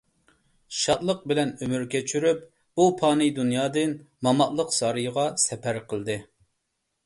شادلىق بىلەن ئۆمۈر كەچۈرۈپ، بۇ پانىي دۇنيادىن ماماتلىق سارىيىغا سەپەر قىلدى.